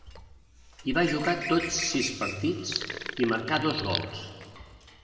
Hi va jugar tots sis partits, i marcà dos gols.